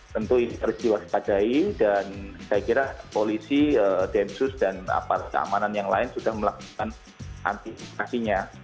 tentu harus diwaspahdai dan saya kira polisi densus dan amanan yang lain sudah melakukan antisipasinya